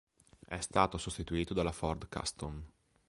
È stato sostituito dalla Ford Custom.